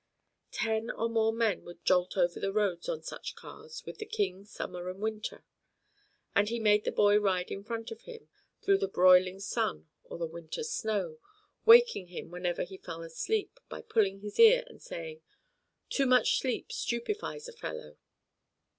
Ten or more men would jolt over the roads on such cars with the King summer and winter, and he made the boy ride in front of him, through the broiling sun or the winter snow, waking him whenever he fell asleep by pulling his ear and saying, "Too much sleep stupefies a fellow."